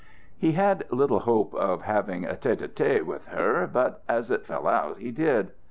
He had little hope of having a tête à tête with her, but as it fell out he did.